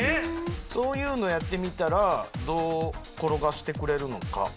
そういうのやってみたらどう転がしてくれるのか。